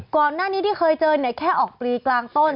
ก่อนหน้านี้ที่เคยเจอเนี่ยแค่ออกปลีกลางต้น